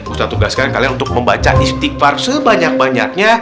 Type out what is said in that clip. usaha tugaskan kalian untuk membaca istighfar sebanyak banyaknya